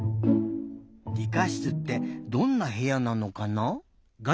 りかしつってどんなへやなのかな？